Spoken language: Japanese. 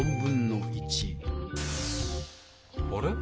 あれ？